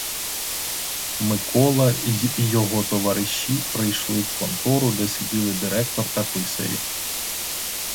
Микола й його товариші прийшли в контору, де сиділи директор та писарі.